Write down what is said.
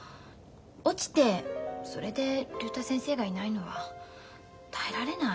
落ちてそれで竜太先生がいないのは耐えられない。